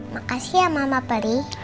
makasih ya mama peri